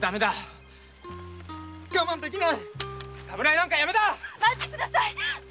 待ってください